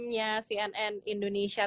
nya cnn indonesia